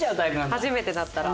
初めてだったら。